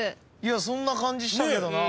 そんな感じしたけどな。